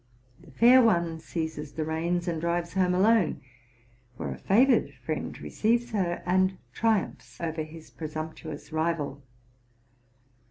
The fair one seizes the reins, and drives home alone, where a favored friend receives her, and triumphs over his presumptuous rival.